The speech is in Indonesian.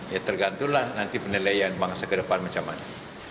ya tergantulah nanti penilaian bangsa ke depan macam mana